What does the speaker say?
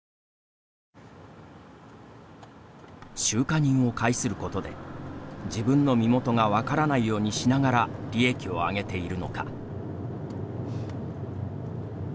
収貨人を介することで自分の身元が分からないようにしながら利益を上げているのか。